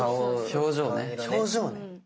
表情ね。